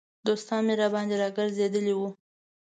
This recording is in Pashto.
دوستان مې راباندې را ګرځېدلي وو.